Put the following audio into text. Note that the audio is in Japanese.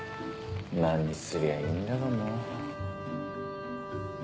何すりゃいいんだかもう。